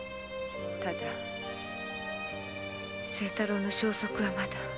ただ清太郎の消息はまだ。